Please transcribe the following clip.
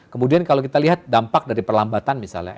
kemudian kalau kita lihat dampak dari perlambatan misalnya